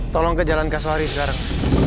tolong ke jalan kasari sekarang